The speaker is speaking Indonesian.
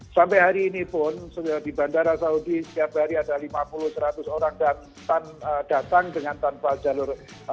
sampai hari ini pun di bandara saudi setiap hari ada lima puluh seratus orang dan datang dengan tanpa jalur